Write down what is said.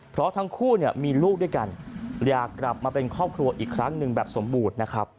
เพราะทั้งคู่เนี่ยมีลูกด้วยกันอยากกลับมาเป็นครอบครัวอีกครั้งหนึ่งแบบสมบูรณ์นะครับ